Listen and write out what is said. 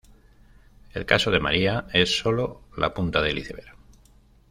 El caso de María es solo la punta del Iceberg.